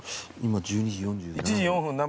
今１２時４７分。